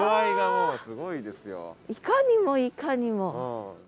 いかにもいかにも。